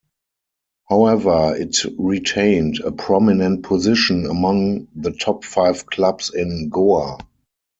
However, it retained a prominent position among the top five Clubs in Goa.